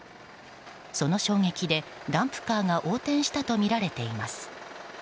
その衝撃でダンプカーが横転したとみられています。